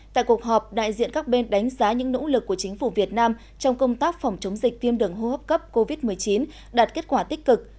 tại cuộc họp đại diện các bên đánh giá những nỗ lực của chính phủ việt nam trong công tác phòng chống dịch viêm đường hô hấp cấp covid một mươi chín đạt kết quả tích cực